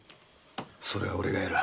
それは俺がやる。